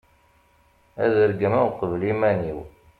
ad regmeɣ uqbel iman-iw